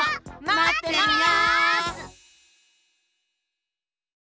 まってます！